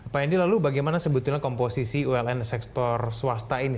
pak hendi lalu bagaimana sebetulnya komposisi uln sektor swasta ini